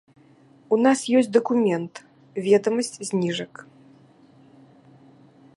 У нас ёсць дакумент, ведамасць зніжак.